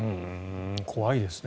怖いですね。